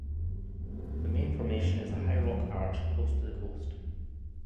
The main formation is a high rock arch close to the coast.